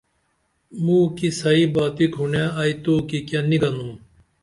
موکی صیح باتی کُھنڈے ائی توکی کیہ نی گنُم